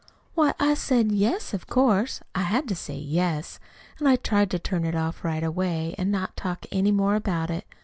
"Why, I said yes, of course. I had to say yes. And I tried to turn it off right away, and not talk any more about it.